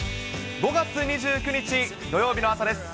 ５月２９日土曜日の朝です。